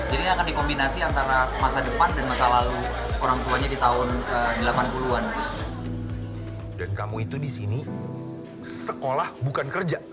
jadi ini akan dikombinasi antara masa depan dan masa lalu orang tuanya di tahun delapan puluh an